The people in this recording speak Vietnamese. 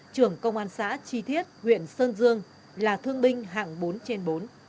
trưởng công an xã chi thiết huyện sơn dương là thương binh hạng bốn trên bốn